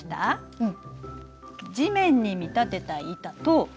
うん。